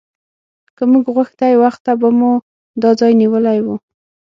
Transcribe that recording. که موږ غوښتی وخته به مو دا ځای نیولی و.